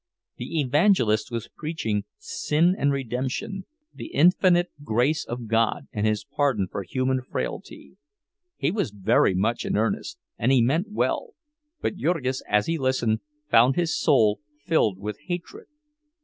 The evangelist was preaching "sin and redemption," the infinite grace of God and His pardon for human frailty. He was very much in earnest, and he meant well, but Jurgis, as he listened, found his soul filled with hatred.